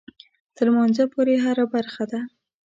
تر لمانځه پورې هره برخه ده.